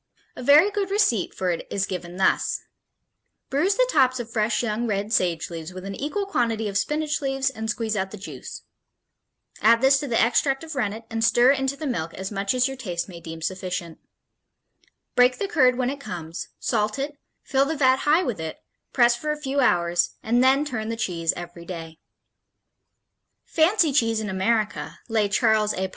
A very good receipt for it is given thus: Bruise the tops of fresh young red sage leaves with an equal quantity of spinach leaves and squeeze out the juice. Add this to the extract of rennet and stir into the milk as much as your taste may deem sufficient. Break the curd when it comes, salt it, fill the vat high with it, press for a few hours, and then turn the cheese every day. Fancy Cheese in America, lay Charles A.